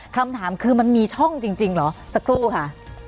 คำถามคือมันมีช่องจริงเหรอสักครู่ค่ะ